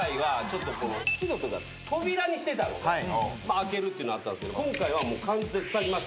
開けるっていうのあったんすけど今回は完全にふさぎました。